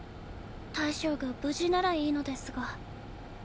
大将が無事ならいいのデスガ。